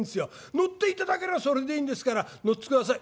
乗っていただければそれでいいんですから乗ってください」。